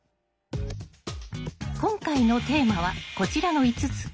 今回のテーマはこちらの５つ。